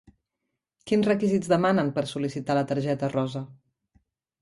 Quins requisits demanen per sol·licitar la targeta rosa?